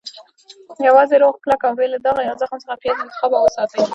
- یوازې روغ، کلک، او بې له داغه یا زخم څخه پیاز انتخاب او وساتئ.